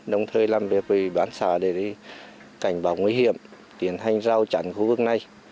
đồng thời làm việc với bán xã để cảnh báo nguy hiểm tiến hành giao chẳng khu vực này